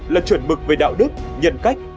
là chuẩn mực về đạo đức nhân cách